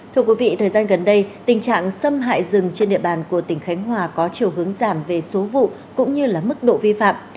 thưa quý vị thời gian gần đây tình trạng xâm hại rừng trên địa bàn của tỉnh khánh hòa có chiều hướng giảm về số vụ cũng như là mức độ vi phạm